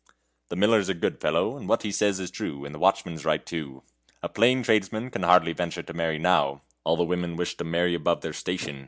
The miller's a good fellow, and what he says is true, and the watchman's right too. A plain tradesman can hardly venture to marry now. All the women wish to marry above their station.